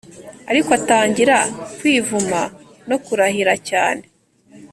Ariko atangira kwivuma no kurahira cyane